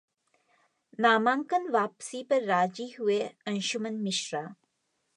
नामांकन वापसी पर राजी हुए अंशुमन मिश्रा